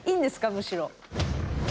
むしろ。